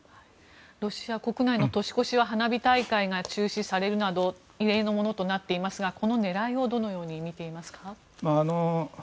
ロシア国内の年越しは花火大会が中止されるなど異例のものとなっていますがこの狙いをどのように見ていますか？